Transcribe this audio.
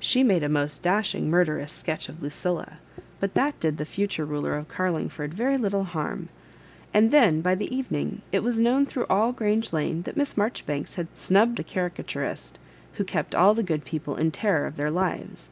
She made a most dashmg murderous sketch of Lucilla, but that did the future ruler of Carlingford very little harm ; and then, by the evening, it was known through all G range Lane that Miss Marjoribanks had snubbed the caricatu rist who kept all the good people in terror of their lives.